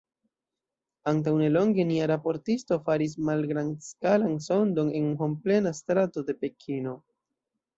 Antaŭ nelonge, nia raportisto faris malgrandskalan sondon en homplena strato de Pekino.